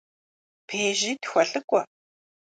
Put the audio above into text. Пежьи тхуэлӏыкӏуэ.